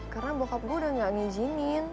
karena bokap gue udah gak ngijinin